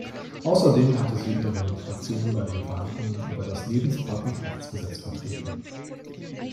Außerdem hat sie ihre Fraktion bei den Verhandlungen über das Lebenspartnerschaftsgesetz vertreten.